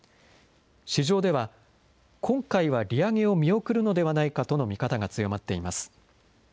市場では、今回は利上げを見送るのではないかとの見方が強まっています。